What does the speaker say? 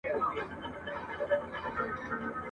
دُرې به اوري پر مظلومانو !.